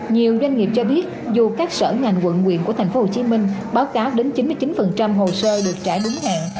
nhiều doanh nghiệp cho biết dù các sở ngành quận quyện của tp hcm báo cáo đến chín mươi chín hồ sơ được trả đúng hạn